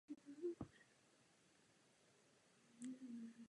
Proto je odpovědnost za tvorbu právních předpisů společnou odpovědností.